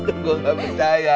itu gue nggak percaya